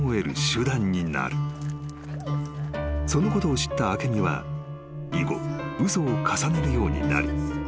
［そのことを知った明美は以後嘘を重ねるようになり］